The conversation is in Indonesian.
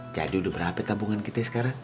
jadi udah berapa tabungan kita sekarang